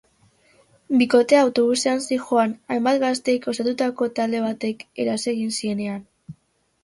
Bikotea autobusean zihoan, hainbat gaztek osatutako talde batek eraso egin zienean.